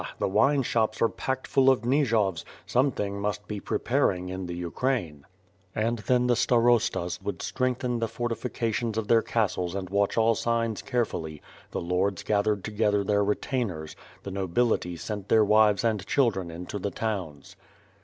the wine shops are packed full of Nijovs; something must be preparing in the Ukraine." And then the starostas would strengthen the fortifications of their castles and watch all signs carefully; the lords 90 WITH FIRE AND SWORD. gathered together their retainers; the nobility sent their wives and children into the towns.